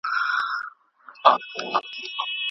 سیوري د ولو بوی د سنځلو